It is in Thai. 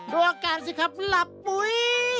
ดัวกันสิครับหลับปุ๋ย